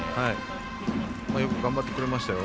よく頑張ってくれましたよ。